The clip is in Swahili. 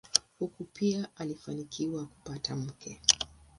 Huko pia alifanikiwa kupata mke.